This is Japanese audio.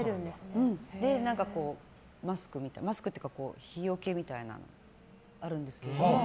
マスクっていうか日よけみたいなのあるんですけど。